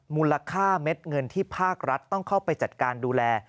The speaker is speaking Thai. มูลค่าเม็ดเงินที่ภาครัฐต้องเข้าไปจัดการดูแล